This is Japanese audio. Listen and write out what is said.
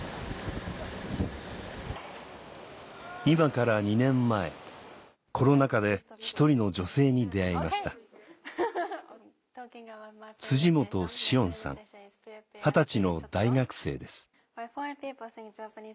今から２年前コロナ禍で１人の女性に出会いました大学生です